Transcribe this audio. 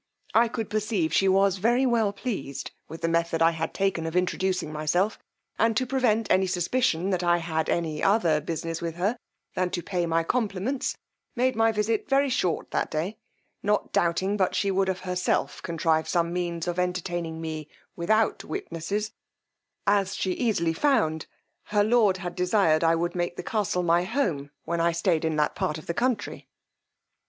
I could perceive she was very well pleased with the method I had taken of introducing myself; and, to prevent any suspicion that I had any other business with her than to pay my compliments, made my visit very short that day, not doubting but she would of herself contrive some means of entertaining me without witnesses, as she easily found her lord had desired I would make the castle my home while I stayed in that part of the country.